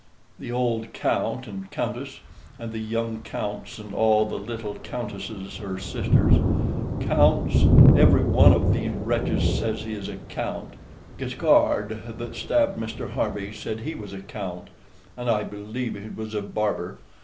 The old count and countess, and the young counts and all the little countesses her sisters. Counts! every one of these wretches says he is a count. Guiscard, that stabbed Mr. Harvey, said he was a count; and I believe he was a barber.